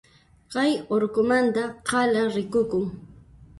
Kay urqumanta k'ala rikukun.